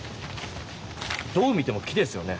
どう見ても木ですよね。